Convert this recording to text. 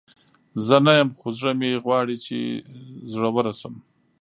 زه نه یم، خو زړه مې غواړي چې زړوره شم.